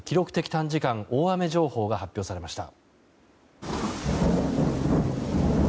短時間大雨情報が発表されました。